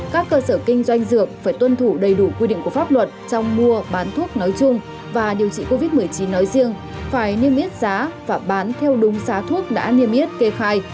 các cơ sở kinh doanh dược phải tuân thủ đầy đủ quy định của pháp luật trong mua bán thuốc nói chung và điều trị covid một mươi chín nói riêng phải niêm yết giá và bán theo đúng giá thuốc đã niêm yết kê khai